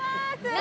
何？